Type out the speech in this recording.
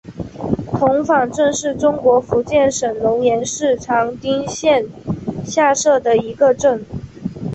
童坊镇是中国福建省龙岩市长汀县下辖的一个镇。